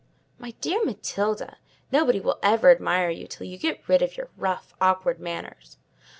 "My dear Matilda! nobody will ever admire you till you get rid of your rough, awkward manners."